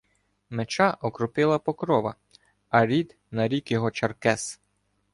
Меча окропила Покрова, А Рід нарік його Чаркес.